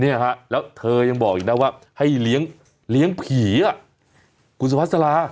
เนี่ยค่ะแล้วเธอยังบอกอีกแล้วว่าให้เลี้ยงเลี้ยงผีอะคุณสุภาษณ์สลา